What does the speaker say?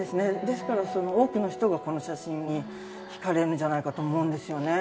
ですから多くの人がこの写真に惹かれるんじゃないかと思うんですよね。